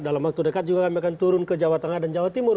dalam waktu dekat juga kami akan turun ke jawa tengah dan jawa timur